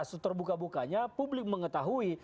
seterbuka bukanya publik mengetahui